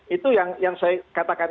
itu yang saya katakan